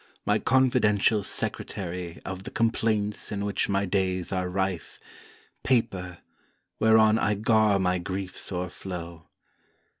my confidential Secretary Of the complaints in which my days are rife, Paper, whereon I gar my griefs o'erflow.